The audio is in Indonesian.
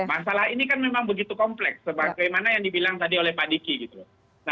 masalah ini kan memang begitu kompleks sebagaimana yang dibilang tadi oleh pak diki gitu loh